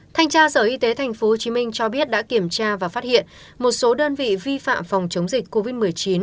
thanh tra sở y tế tp hcm cho biết đã kiểm tra và phát hiện một số đơn vị vi phạm phòng chống dịch covid một mươi chín